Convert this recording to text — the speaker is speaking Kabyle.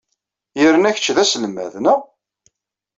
Yernu kečč d aselmad, naɣ?